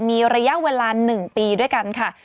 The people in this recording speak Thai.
มีระยะเวลา๑ปีด้วยกันค่ะ